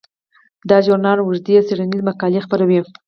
دا ژورنال اوږدې څیړنیزې مقالې خپروي.